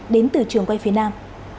đến từ trường quay phía nam